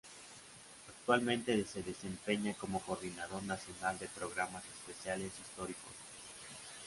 Actualmente se desempeña como Coordinador Nacional de Programas Especiales Históricos.